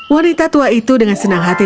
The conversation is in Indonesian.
wanita tua itu dengan senang hati